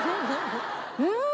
うん！